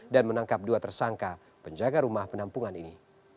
dan menangkap dua tersangka penjaga rumah penampungan ini